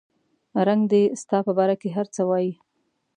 رنګ دې ستا په باره کې هر څه وایي